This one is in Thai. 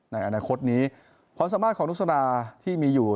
ในอนาคตนี้ความสามารถของนุสนาที่มีอยู่